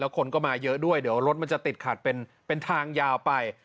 คนก็มาเยอะด้วยเดี๋ยวรถมันจะติดขัดเป็นทางยาวไป